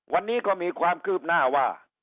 วันนี้ก็มีความคืบหน้าว่า